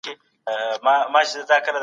که ته مرسته وکړې، اجر به ترلاسه کړې.